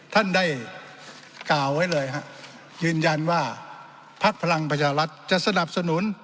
ท่านได้กล่าวไว้เลยฮะยืนยันว่าภักดิ์พลังประชารัฐจะสนับสนุน